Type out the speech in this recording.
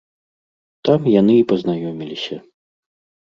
Там яны і пазнаёміліся.